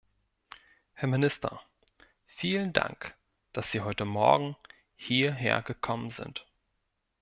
Herr Minister, vielen Dank, dass Sie heute Morgen hierhergekommen sind.